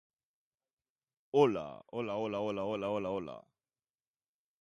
Dena den, zortzi txakurkumek ihes egitea lortu zuten eta onik atera dira.